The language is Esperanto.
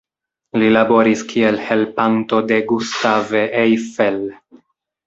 Li laboris kiel helpanto de Gustave Eiffel.